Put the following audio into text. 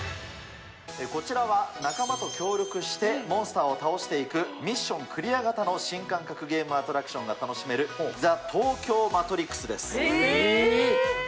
こちらは仲間と協力してモンスターを倒していく、ミッションクリア型の新感覚ゲームアトラクションが楽しめる、ＴＨＥ・ＴＯＫＹＯ・ＭＡＴＲＩＸです。